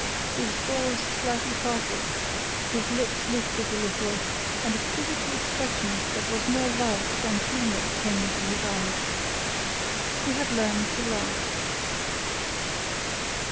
His jaws slightly parted, his lips lifted a little, and a quizzical expression that was more love than humour came into his eyes. He had learned to laugh.